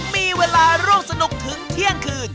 มีเวลาร่วมสนุกถึงเที่ยงคืน